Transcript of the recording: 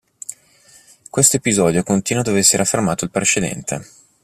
Questo episodio continua dove si era fermato il precedente.